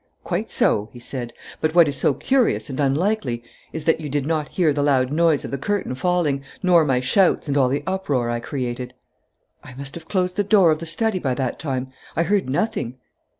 "Quite so," he said. "But what is so curious and unlikely is that you did not hear the loud noise of the curtain falling, nor my shouts and all the uproar I created." "I must have closed the door of the study by that time. I heard nothing."